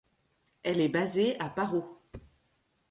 Elle est basée à Paro.